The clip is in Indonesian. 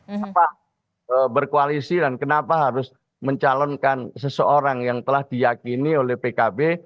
kenapa berkoalisi dan kenapa harus mencalonkan seseorang yang telah diyakini oleh pkb